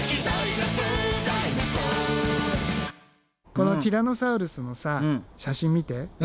このティラノサウルスのさ写真見て。